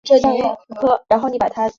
琼安娜出生于一个中产家庭。